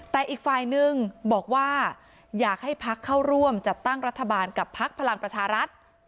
แต่อีกฝ่ายนึงบอกว่าอยากให้พักเข้าร่วมจัดตั้งรัฐบาลกับพักพลังประชารัฐ